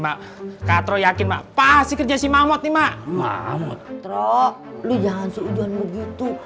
mak kato yakin apa sih kerja si mahmud lima lima terok lu jangan seujuan begitu